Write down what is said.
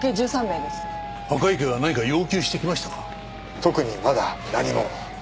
特にまだ何も。